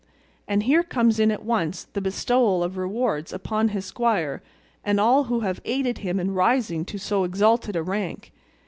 And here comes in at once the bestowal of rewards upon his squire and all who have aided him in rising to so exalted a rank.